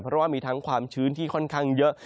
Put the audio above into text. เพราะว่ามีทั้งความชื้นที่ค่อนข้างเยอะ